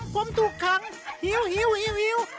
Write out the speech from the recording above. ผมถูกขังหิว